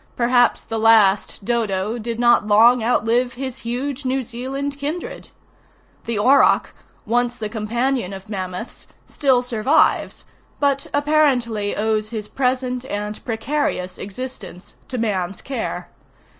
Perhaps the last dodo did not long outlive his huge New Zealand kindred. The auroch, once the companion of mammoths, still survives, but apparently owes his present and precarious existence to man's care.